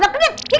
suara apa sih ini